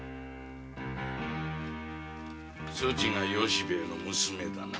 そちが由兵衛の娘だな。